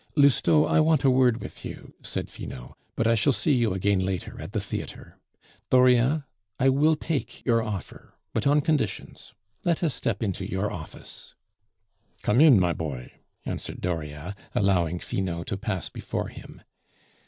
"Lousteau, I want a word with you," said Finot; "but I shall see you again later, at the theatre. Dauriat, I will take your offer, but on conditions. Let us step into your office." "Come in, my boy," answered Dauriat, allowing Finot to pass before him.